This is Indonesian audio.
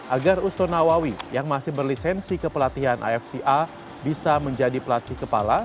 agar ustonawawi yang masih berlisensi kepelatihan afc a bisa menjadi pelatih kepala